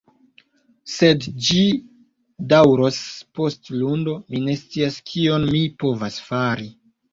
Sed, se ĝi daŭros post Lundo, mi ne scias kion mi povas fari.